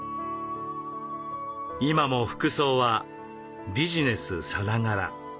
今も服装はビジネスさながら。